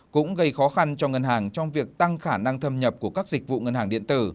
cũng gây khó khăn cho ngân hàng trong việc tăng khả năng thâm nhập của các dịch vụ ngân hàng điện tử